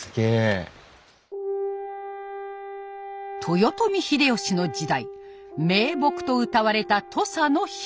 豊臣秀吉の時代銘木とうたわれた土佐のヒノキ。